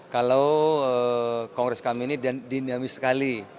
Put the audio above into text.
kalau kongres kami ini dinamis sekali